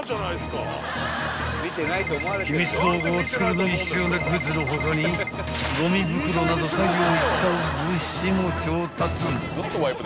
［秘密道具を作るのに必要なグッズの他にごみ袋など作業に使う物資も調達］